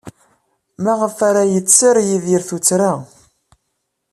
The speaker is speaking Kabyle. Maɣef ay yetter Yidir tuttra-a?